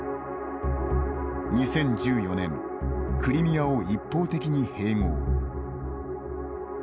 ２０１４年クリミアを一方的に併合。